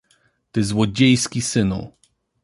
Ty złodziejski synu!